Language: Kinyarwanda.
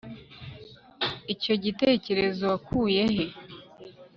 icyo gitekerezo wakuye he